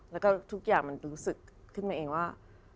แล้วก็ทุกอย่างมันรู้สึกขึ้นมาเองว่า